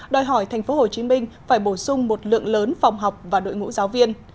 đòi hỏi tp hcm phải bổ sung một lượng lớn phòng học và đội ngũ giáo viên